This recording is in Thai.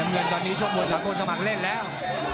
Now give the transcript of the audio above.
น้ำเงินตอนนี้จบมัวมัวจังโบ๊ทสักผ่านเล่นแล้ว